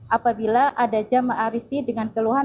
apabila ada jamaah rizky dengan keluhan